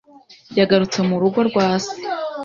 yagarutse ‘mu rugo rwa Se,’